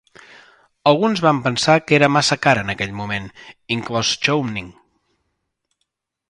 Alguns van pensar que era massa car en aquell moment, inclòs Chowning.